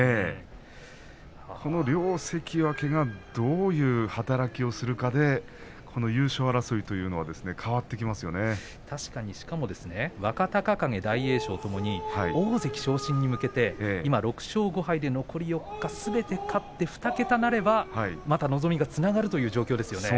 この両関脇がどういう働きをするかでこの優勝争いというのがしかも若隆景大栄翔ともに大関昇進に向けて今、６勝５敗で残り４日すべて勝って２桁になれば望みがつながる状況ですよね。